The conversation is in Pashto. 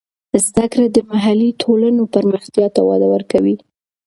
زده کړه د محلي ټولنو پرمختیا ته وده ورکوي.